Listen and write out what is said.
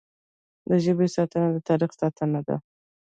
د ژبې ساتنه د تاریخ ساتنه ده.